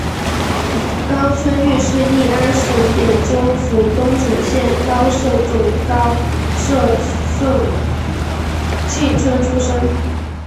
高春育是乂安省演州府东城县高舍总高舍社盛庆村出生。